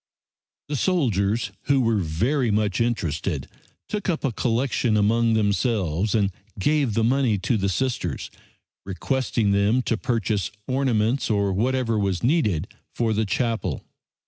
The soldiers, who were very much interested, took up a collection among themselves and gave the money to the Sisters, requesting them to purchase ornaments or whatever was needed for the chapel.